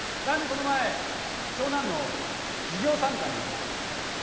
この前長男の授業参観に行ってきたんだ。